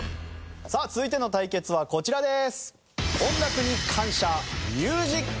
さあ続いての対決はこちらです。